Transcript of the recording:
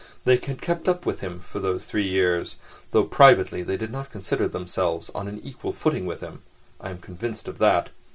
They had kept up with him for those three years, though privately they did not consider themselves on an equal footing with him, I am convinced of that.